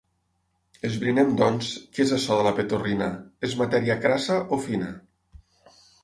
Esbrinem, doncs, què és açò de la petorrina; és matèria crassa o fina?